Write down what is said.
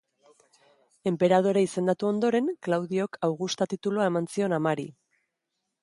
Enperadore izendatu ondoren, Klaudiok Augusta titulua eman zion amari.